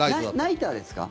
ナイターですか？